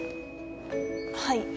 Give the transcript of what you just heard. はい。